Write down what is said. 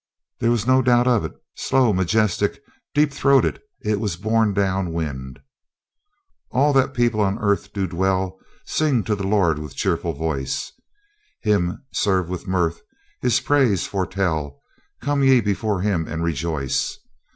There was no doubt of it. Slow, majestic, deep throated, it was borne down wind : All people that on earth do dwell Sing to the Lord with cheerful voice; Him serve with mirth, His praise forthtell, Come ye before Him and rejoice.